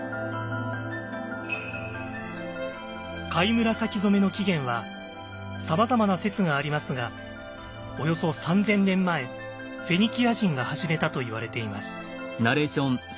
貝紫染めの起源はさまざまな説がありますがおよそ３，０００年前フェニキア人が始めたといわれています。